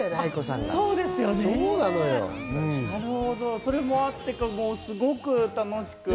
それもあってか、すごく楽しく。